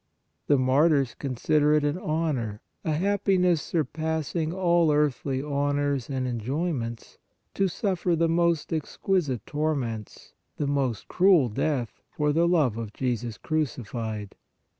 The martyrs consider it an honor, a happiness surpassing all earthly honors and enjoy ments, to suffer the most exquisite torments, the most cruel death for the love of Jesus crucified.